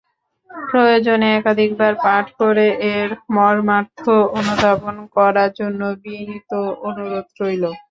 প্রয়োজনে একাধিকবার পাঠ করে এর মর্মার্থ অনুধাবন করার জন্যে বিনীত অনুরোধ রইল।